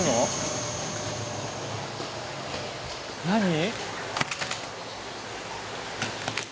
何！？